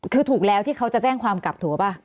คือถูกแล้วที่เขาจะแจ้งความกลับถูกป่ะ